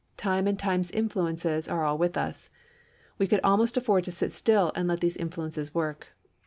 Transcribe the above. Time and time's influences are all with us; we could al most afford to sit still and let these influences work.